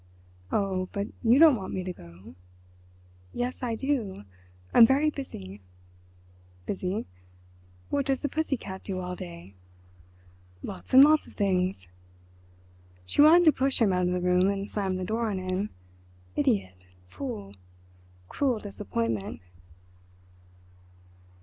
"Oh, but you don't want me to go?" "Yes, I do—I'm very busy." "Busy. What does the pussy cat do all day?" "Lots and lots of things!" She wanted to push him out of the room and slam the door on him—idiot—fool—cruel disappointment.